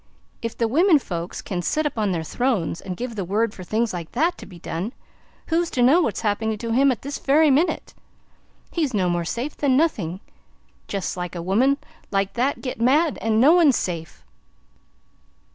If the women folks can sit up on their thrones an' give the word for things like that to be done, who's to know what's happening to him this very minute? He's no more safe than nothing! Just let a woman like that get mad, an' no one's safe!"